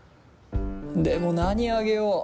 でも何あげよう。